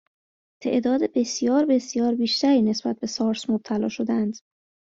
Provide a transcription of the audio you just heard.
تعداد بسیار بسیار بیشتری نسبت به سارس مبتلا شدهاند